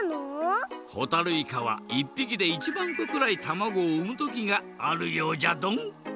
ほたるいかは１ぴきで１まんこくらいたまごをうむ時があるようじゃドン。